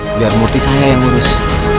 biar murtis saya yang harus